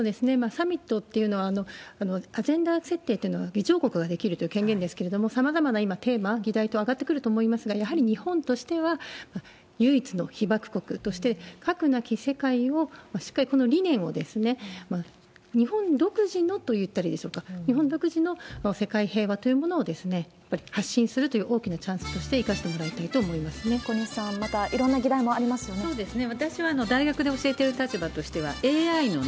サミットっていうのは、アジェンダ設定というのを議長国ができるという権限ですけれども、さまざまなテーマ、議題等上がってくると思いますけれども、やはり日本としては唯一の被爆国として核なき世界をしっかりこの理念を、日本独自のと言ったらいいでしょうか、日本独自の世界平和というものを、やっぱり発信するという大きなチャンスとして生小西さん、またいろんな議題そうですね。